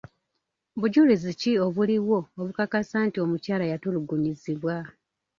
Bujulizi ki obuliwo obukakasa nti omukyala yatulugunyizibwa?